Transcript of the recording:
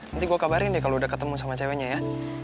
nanti gue kabarin deh kalau udah ketemu sama ceweknya ya